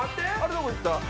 どこいった？